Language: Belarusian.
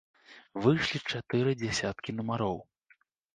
Выйшлі чатыры дзясяткі нумароў.